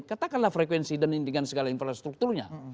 katakanlah frekuensi dan dengan segala infrastrukturnya